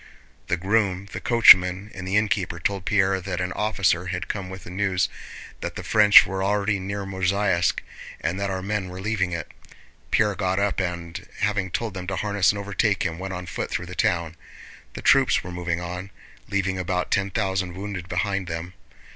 The groom, the coachman, and the innkeeper told Pierre that an officer had come with news that the French were already near Mozháysk and that our men were leaving it. Pierre got up and, having told them to harness and overtake him, went on foot through the town. The troops were moving on, leaving about ten thousand wounded behind them.